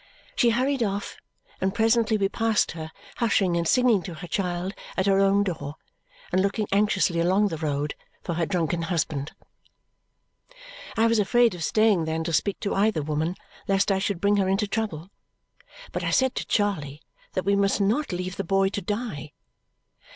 She hurried off, and presently we passed her hushing and singing to her child at her own door and looking anxiously along the road for her drunken husband. I was afraid of staying then to speak to either woman, lest I should bring her into trouble. But I said to Charley that we must not leave the boy to die.